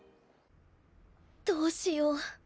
どうしよう。